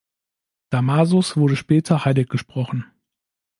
Damasus wurde später heiliggesprochen.